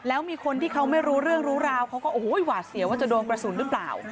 แล้วมีคนที่เขาไม่รู้เรื่องรู้ราวเขาก็โอ้โหหวาดเสียว่าจะโดนกระสุนหรือเปล่า